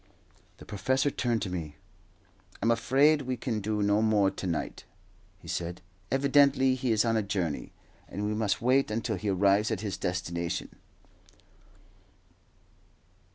The professor turned to me. "I am afraid we can do no more to night," he said. "Evidently he is on a journey, and we must wait until he arrives at his destination."